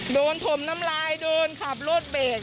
ถมน้ำลายโดนขับรถเบรก